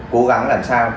cố gắng làm sao